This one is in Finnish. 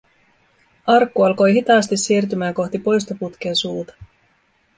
Arkku alkoi hitaasti siirtymään kohti poistoputken suuta.